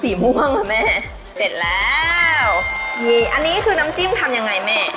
ม่วงอ่ะแม่เสร็จแล้วนี่อันนี้คือน้ำจิ้มทำยังไงแม่